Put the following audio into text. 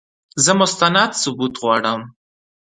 زه مستند ثبوت غواړم !